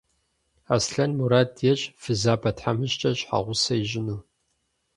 Аслъэн мурад ещӏ фызабэ тхьэмыщкӏэр щхьэгъусэ ищӏыну.